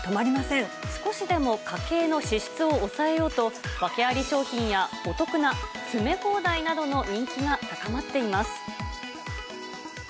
少しでも家計の支出を抑えようと、訳あり商品や、お得な詰め放題などの人気が高まっています。